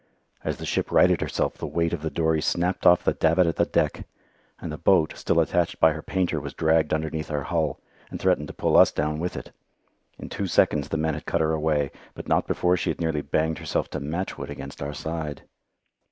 As the ship righted herself, the weight of the dory snapped off the davit at the deck, and the boat, still attached by her painter, was dragged underneath our hull, and threatened to pull us down with it. In two seconds the men had cut her away, but not before she had nearly banged herself to matchwood against our side.